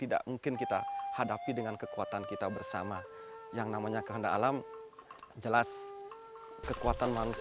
pada tahun dua ribu sepuluh murni berharap semua pengungsi dapat hidup sehat walaupun berada di tempat pengungsi